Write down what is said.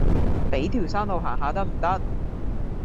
比條生路行下得唔得